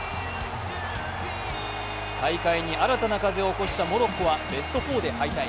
大会に新たな風を起こしたモロッコはベスト４で敗退。